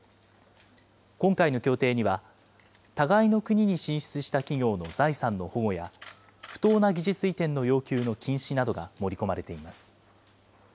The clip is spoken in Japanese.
今回の協定には、互いの国に進出した企業の財産の保護や、不当な技術移転の要求の禁止などが盛り込まれています。